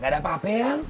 gak ada apaan yang